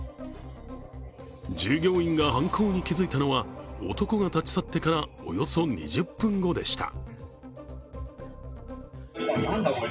従業員が犯行に気づいたのは男が立ち去ってからおよそ２０分後でした。